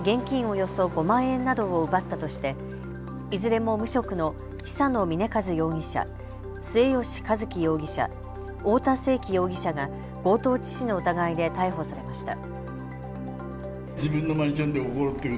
およそ５万円などを奪ったとしていずれも無職の久野峰一容疑者、末吉一樹容疑者、大田清樹容疑者が強盗致死の疑いで逮捕されました。